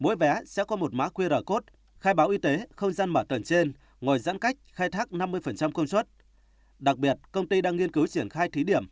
mỗi vé sẽ có một mã qr code khai báo y tế không gian mở tầng trên ngồi giãn cách khai thác năm mươi công suất